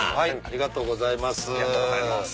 ありがとうございます。